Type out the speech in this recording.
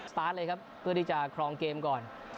ตาร์ทเลยครับเพื่อที่จะครองเกมก่อน